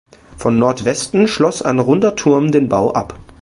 Von Nordwesten schloss ein runder Turm den Bau ab.